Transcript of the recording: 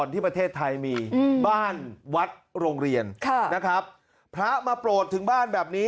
ที่ประเทศไทยมีบ้านวัดโรงเรียนค่ะนะครับพระมาโปรดถึงบ้านแบบนี้